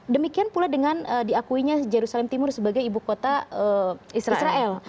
demikian pula dengan diakuinya jerusalem timur sebagai ibu kota israel